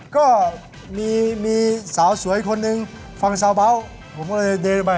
ก็มีสาวสวยคนนึงฟังเฉาบาวผมก็เลยเดินไป